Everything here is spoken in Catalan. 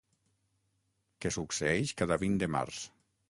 Que succeeix cada vint de març.